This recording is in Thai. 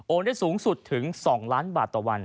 ได้สูงสุดถึง๒ล้านบาทต่อวัน